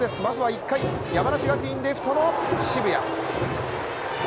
まずは１回、山梨学院、レフトの澁谷。